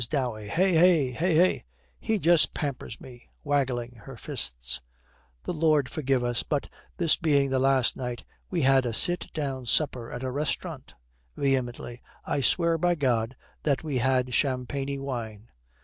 DOWEY. 'Hey! hey! hey! hey! He just pampers me,' waggling her fists. 'The Lord forgive us, but this being the last night, we had a sit down supper at a restaurant!' Vehemently: 'I swear by God that we had champagny wine.'